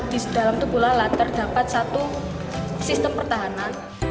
di dalam tubuh lalat terdapat satu sistem pertahanan